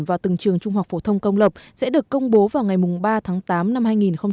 vào từng trường trung học phổ thông công lập sẽ được công bố vào ngày ba tháng tám năm hai nghìn hai mươi